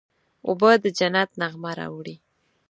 اوبه د جنت نغمه راوړي.